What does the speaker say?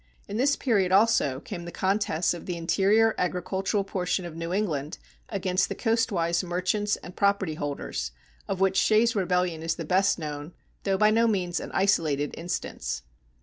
In this period also came the contests of the interior agricultural portion of New England against the coast wise merchants and property holders, of which Shays' Rebellion is the best known, although by no means an isolated instance.